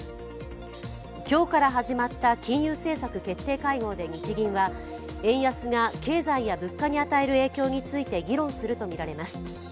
今日から始まった、金融政策決定会合で日銀は、円安が経済や物価に与える影響について議論するとみられます。